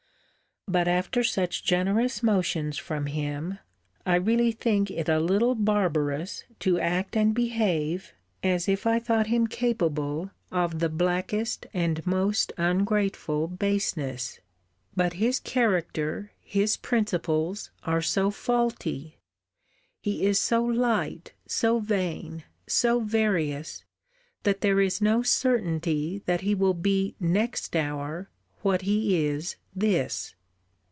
But after such generous motions from him, I really think it a little barbarous to act and behave as if I thought him capable of the blackest and most ungrateful baseness. But his character, his principles, are so faulty! He is so light, so vain, so various, that there is no certainty that he will be next hour what he is this.